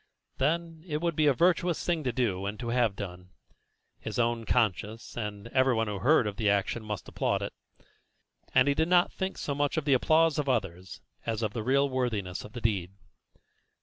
Then, it would be such a virtuous thing to do and to have done; his own conscience and everyone who heard of the action must applaud it. And he did not think so much of the applause of others as of the real worthiness of the deed.